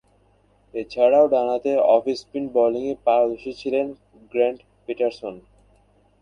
এছাড়াও, ডানহাতে off spin বোলিংয়ে পারদর্শী ছিলেন গ্র্যান্ট প্যাটারসন।